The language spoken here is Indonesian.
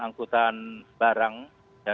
angkutan barang ya